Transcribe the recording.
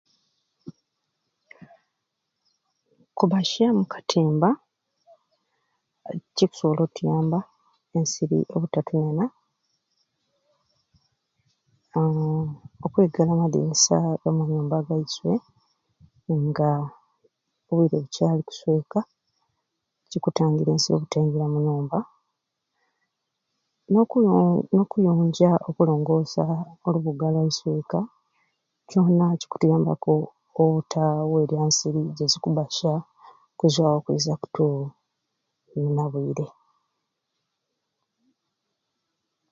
Kubbasya mu katimba nikyo kikusoboka okutuyamba ensiri obutatunena aaa okwigala amadirisasga nyubba zaiswe nga obwiire bukyali kusweka kikutangira ensiri obutaingita mu nyubba n,'okuyonja okulongoosa olubuga lwaiswe eka kyona kikutuyambaku obutawerya ensiri gyezikubbasya kuzwawo kwiza kutunena bwire